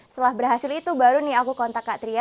setelah berhasil itu baru nih aku kontak kak tria